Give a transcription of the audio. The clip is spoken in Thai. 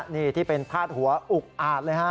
นี่ที่เป็นพาดหัวอุกอาจเลยฮะ